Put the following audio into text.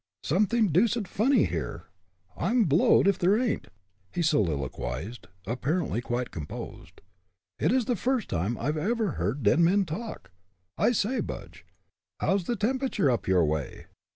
"Something deuced funny, here, I'm blowed if there ain't!" he soliloquized, apparently quite composed. "It's the first time I have ever heard dead men talk. I say, Budge, how's the temperature up your way?"